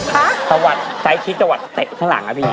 ฮะตะวัดใจคิดตะวัดเตะข้างหลังนะพี่